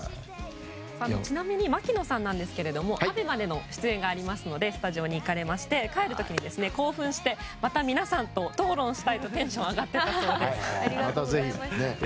ちなみに槙野さんなんですけれどもＡＢＥＭＡでの出演がありますのでスタジオに行かれまして帰る時に興奮して、また皆さんと討論したいとテンションが上がってたそうです。